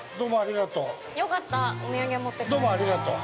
◆どうもありがとう。